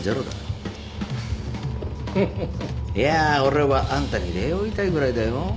フフフいや俺はあんたに礼を言いたいぐらいだよ。